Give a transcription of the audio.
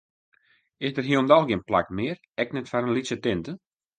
Is der hielendal gjin plak mear, ek net foar in lytse tinte?